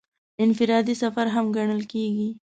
انفرادي سفر هم ګڼل کېږي.